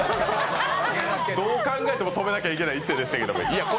どう考えても止めなきゃいけない一手でしたけど。